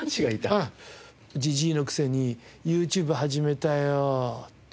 「じじいのくせにＹｏｕＴｕｂｅ始めたよ」っていって。